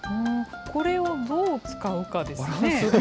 これをどう使うかですね。